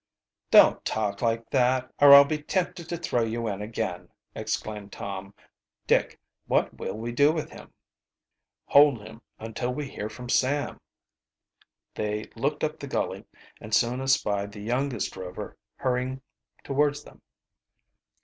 "Don't talk like that, or I'll be tempted to throw you in again," exclaimed Tom. "Dick, what will we do with him?" "Hold him until we hear from Sam." They looked up the gully and soon espied the youngest Rover hurrying toward them.